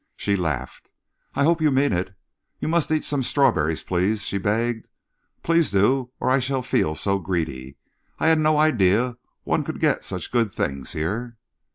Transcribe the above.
She laughed. "I hope you mean it. You must eat some strawberries, please," she begged. "Please do, or I shall feel so greedy. I had no idea one could get such good things here."